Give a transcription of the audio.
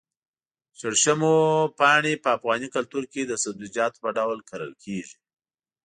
شړشمو پاڼې په افغاني کلتور کې د سبزيجاتو په ډول کرل کېږي.